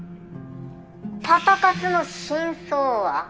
パパ活の真相は？